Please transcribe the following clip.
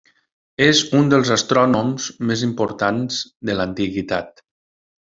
És un dels astrònoms més importants de l'antiguitat.